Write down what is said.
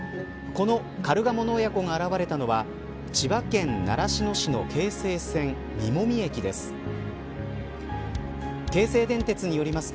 このカルガモの親子が現れたのは千葉県習志野市の京成線、実籾駅です。